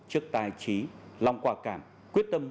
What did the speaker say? trước tài trí lòng quả cảm quyết tâm